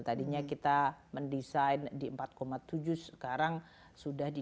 tadinya kita mendesain di empat tujuh sekarang sudah di dua tiga puluh delapan